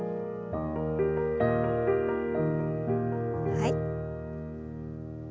はい。